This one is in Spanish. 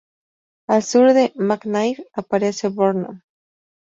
Al sur de McNair aparece Borman.